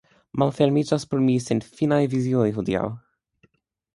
Malfermiĝis por mi senfinaj vizioj hodiaŭ.